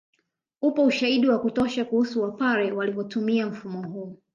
Upo ushahidi wa kutosha kuhusu Wapare walivyotumia mfumo huu